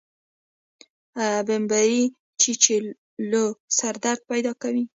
بمبړې چیچلو سره درد پیدا کوي